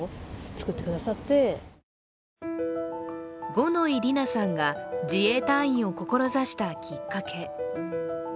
五ノ井里奈さんが自衛隊員を志したきっかけ。